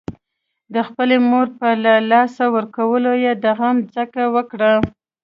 د خپلې مور په له لاسه ورکولو يې د غم څکه وکړه.